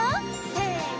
せの！